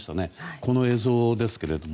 この映像ですけども。